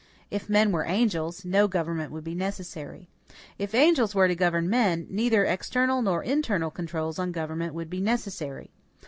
If men were angels, no government would be necessary. If angels were to govern men, neither external nor internal controls on government would be necessary.